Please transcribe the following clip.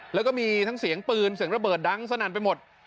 แล้วก็มีทั้งเสียงปืนเสียงระเบิดดังสนั่นไปหมด